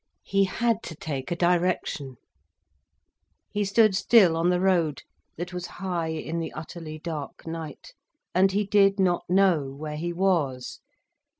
He had to take a direction. He stood still on the road, that was high in the utterly dark night, and he did not know where he was.